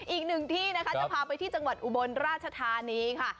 อีกหนึ่งที่นะคะจะพาไปที่จังหวัดอุบลราชธานีค่ะ